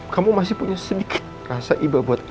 kamu masih punya sedikit rasa ibah buat elsa